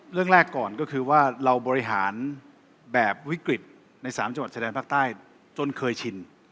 เรื่องแรกก่อนก็คือว่าเราบริหารแบบวิกฤตใน๓จังหวัดชายแดนภาคใต้จนเคยชิน